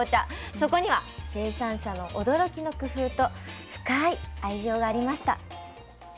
そこには生産者の驚きの工夫と深い愛情がありました。